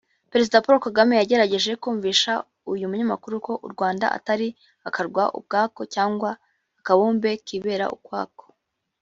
Perezida Paul Kagame yagerageje kumvisha uyu munyamakuru ko u Rwanda atari akarwa ubwako cyangwa akabumbe kibera ukwako